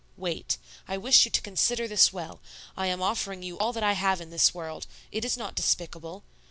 "Wait. I wish you to consider this well. I am offering you all that I have in the world; it is not despicable.